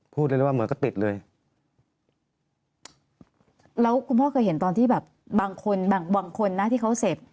พูดได้เลยว่าเหมือนกับติดเลยแล้วคุณพ่อเคยเห็นตอนที่แบบบางคนบางบางคนนะที่เขาเสพ